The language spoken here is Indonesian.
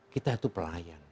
kita itu pelayan